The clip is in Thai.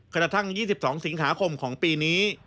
กระทั่ง๒๒สิงหาคมของปีนี้